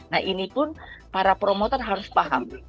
nah ini pun para promotor harus paham